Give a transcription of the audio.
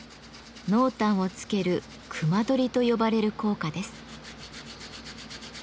濃淡をつける「隈取り」と呼ばれる効果です。